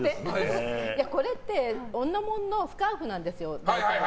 これって、女もののスカーフなんですよ、大体。